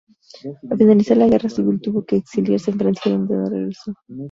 Al finalizar la guerra civil, tuvo que exiliarse en Francia, de donde no regresó.